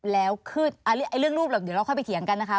แล้วคือเรื่องรูปหรอกเดี๋ยวเราค่อยไปเถียงกันนะคะ